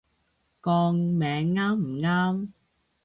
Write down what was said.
個名啱唔啱